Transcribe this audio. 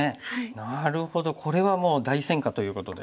なるほどこれはもう大戦果ということで。